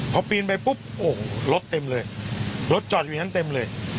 พอปีนไปปุ๊บโอ้โหรถเต็มเลยรถจอดอยู่อย่างนั้นเต็มเลย